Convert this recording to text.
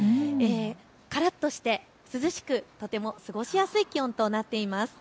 からっとして涼しくとても過ごしやすい気温となっています。